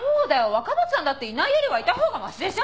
若松さんだっていないよりはいた方がましでしょ。